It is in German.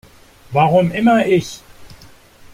Warum immer ich?